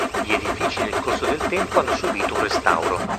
Gli edifici nel corso del tempo hanno subito un restauro.